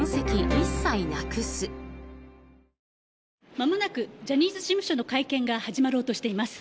まもなくジャニーズ事務所の会見が始まろうとしています。